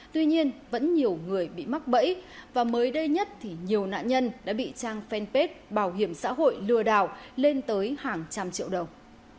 tuy nhiên vẫn nhiều người bị mắc bẫy và mới đây nhất thì nhiều nạn nhân đã bị trang fanpage bảo hiểm xã hội lừa đảo lên tới hàng trăm triệu đồng